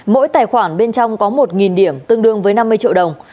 mỗi tài khoản bên trong có một điểm tương đương với năm mươi triệu đồng